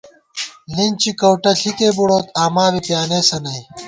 لِنچی کؤٹہ ݪِکےبُڑوت، آما بی پیانېسہ نئی